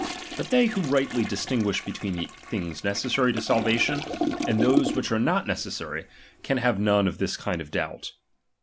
But they who rightly distin ^H guish between the things necessary to salvation, ^H and those which are not necessary, can have none ^H of this kind of doubt.